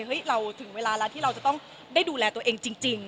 เราถึงเวลาแล้วที่เราจะต้องได้ดูแลตัวเองจริง